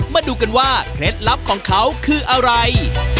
มาดูกันว่าเคล็ดลับของเขาคืออะไร